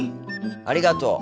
ありがとう。